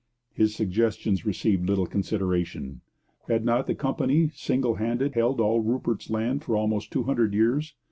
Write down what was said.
His suggestions received little consideration. Had not the company single handed held all Rupert's Land for almost two hundred years?